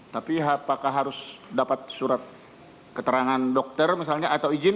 tapi apakah harus dapat surat keterangan dokter misalnya atau izin